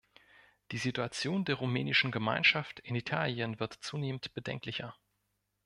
Die Situation der rumänischen Gemeinschaft in Italien wird zunehmend bedenklicher.